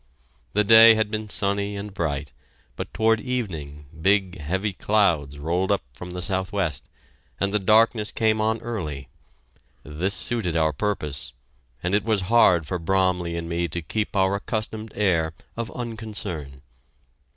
The day had been sunny and bright, but toward evening big, heavy clouds rolled up from the southwest, and the darkness came on early. This. suited our purpose, and it was hard for Bromley and me to keep our accustomed air of unconcern.